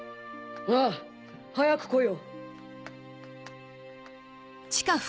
ああ早く来いよ。